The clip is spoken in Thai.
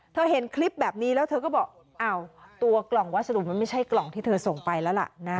เห็นคลิปแบบนี้แล้วเธอก็บอกอ้าวตัวกล่องวัสดุมันไม่ใช่กล่องที่เธอส่งไปแล้วล่ะนะ